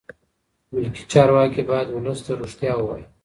ملکي چارواکي باید ولس ته رښتیا ووایي.